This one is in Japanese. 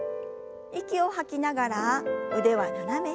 息を吐きながら腕は斜め下。